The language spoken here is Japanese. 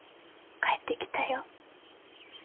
帰ってきたよ。